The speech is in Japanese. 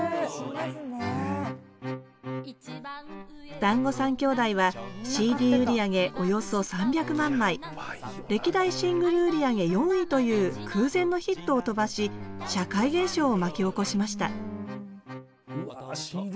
「だんご３兄弟」はＣＤ売り上げおよそ３００万枚歴代シングル売り上げ４位という空前のヒットを飛ばし社会現象を巻き起こしましたうわＣＤ